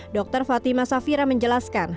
dr fatima safira menjelaskan